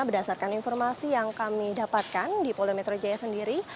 berdasarkan informasi yang kami dapatkan di polda metro jaya sendiri